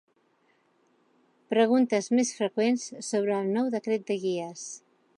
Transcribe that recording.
Preguntes més freqüents sobre el nou Decret de guies.